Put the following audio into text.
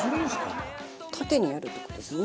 縦にやるって事ですよね